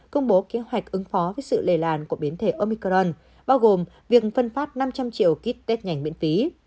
công bố kế hoạch ứng phó với sự lề làn của biến thể omicron bao gồm việc phân phát năm trăm linh triệu kit test nhanh miễn phí